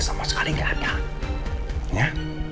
sama sekali nggak ada